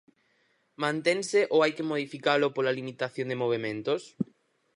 Mantense ou hai que modificalo pola limitación de movementos?